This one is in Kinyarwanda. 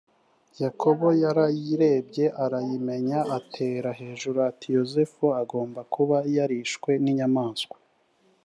yakobo yarayirebye arayimenya atera hejuru ati yozefu agomba kuba yarishwe n’inyamaswa